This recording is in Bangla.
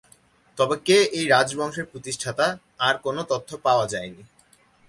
তবে কে এই রাজবংশের প্রতিষ্ঠাতা তার কোন তথ্য পাওয়া যায়নি।